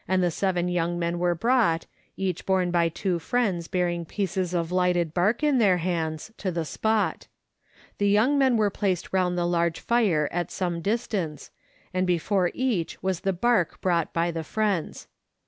9 the seven young men were brought, each borne by two friends bearing pieces of lighted bark in their hands, to the spot ; the young men were placed round the large fire at some distance, and before each was the bark brought by the friends.